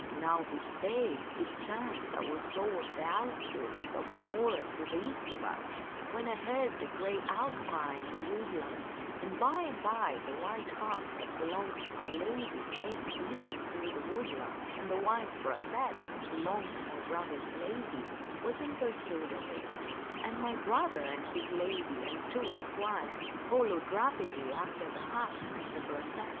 " Now this day it chanced I was toward the outskirts of the forest to the east of us, when I heard a great outcry in the woodland, and by and by the white hart that belonged to my lady came fleeing through the wood land, and the white brachet that belonged to my brother's lady was in pursuit of it ; and my brother and his lady and two esquires followed rapidly after the hart and the brachet.